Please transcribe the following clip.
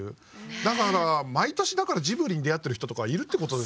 だから毎年ジブリに出会ってる人とかいるってことですよね。